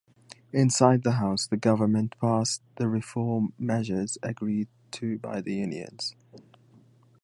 Inside the House, the government passed the reform measures agreed to by the Unions.